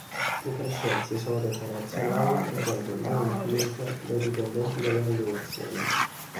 Le tre scienze sono dette razionali in quanto né empiriche né dipendenti dalla rivelazione.